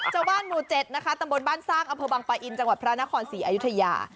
เจ้าบ้านหมู่๗ตำบลบ้านซากอัพบังปะอินจังหวัดพระนครศรีอยุธยา